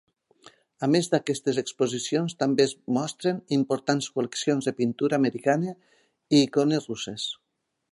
A més d'aquestes exposicions també es mostren importants col·leccions de pintura americana i icones russes.